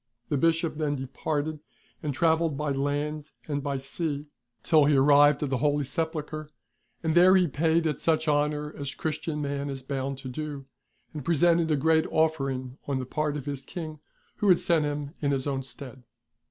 The Bishop then departed and travelled by land and by sea till he 362 MARCO IHM.O. Book IN. arrived at the Holy Sepulchre, and there he paid it such honour as Christian man is hound to do, and presented a great offering on the part of his King who had sent him in his own stead.